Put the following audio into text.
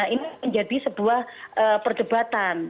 ini menjadi sebuah perdebatan